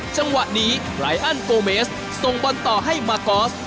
จังหวะนี้ไรอันโปเมสส่งบอลต่อให้มากอส